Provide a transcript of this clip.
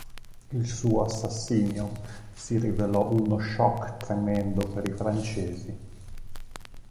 Il suo assassinio si rivelò uno shock tremendo per i francesi.